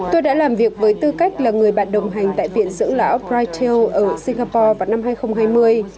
tôi đã làm việc với tư cách là người bạn đồng hành tại viện dưỡng lão brightel ở singapore vào năm hai nghìn hai mươi